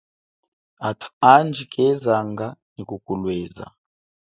Athu andji kezanga nyi kukulweza.